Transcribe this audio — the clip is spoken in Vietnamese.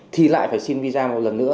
thì lại phải xin visa một lần nữa